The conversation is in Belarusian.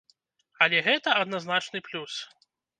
Але гэта адназначны плюс.